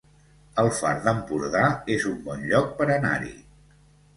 El Far d'Empordà es un bon lloc per anar-hi